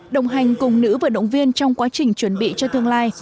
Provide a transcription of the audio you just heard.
đồng hành cùng nữ vận động viên trong quá trình chuẩn bị cho tương lai